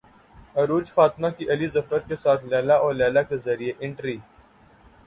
عروج فاطمہ کی علی ظفر کے ساتھ لیلی او لیلی کے ذریعے انٹری